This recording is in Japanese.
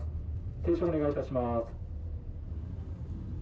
停止をお願いいたします。